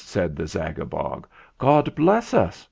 said the Zagabog ; "God bless us!"